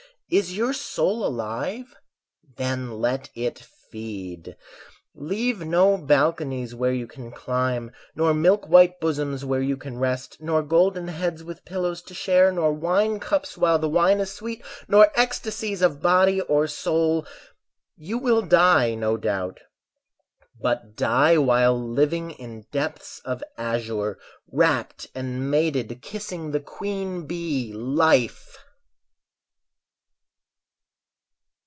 Is your soul alive? Then let it feed! Leave no balconies where you can climb; Nor milk white bosoms where you can rest; Nor golden heads with pillows to share; Nor wine cups while the wine is sweet; Nor ecstasies of body or soul, You will die, no doubt, but die while living In depths of azure, rapt and mated, Kissing the queen bee, Life!